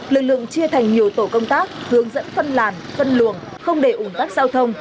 lực lượng chia thành nhiều tổ công tác hướng dẫn phân làn phân luồng không để ủng tắc giao thông